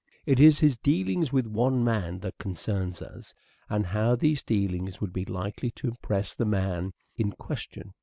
It is his dealings with one man that concern us, and how these dealings would be likely to impress the man in question.